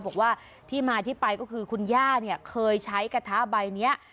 บอกว่าที่มาที่ไปก็คือคุณย่าเนี่ยเคยใช้กระทะใบนี้